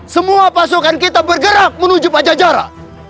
semua pasukan kita bergerak menuju pajajaran